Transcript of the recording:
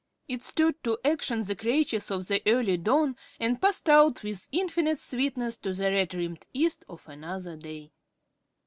It stirred to action the creatures of the early dawn and passed out with infinite sweetness to the red rimmed east of another day.